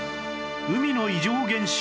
海の異常現象